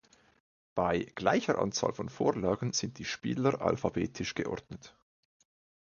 Bei gleicher Anzahl von Vorlagen sind die Spieler alphabetisch geordnet.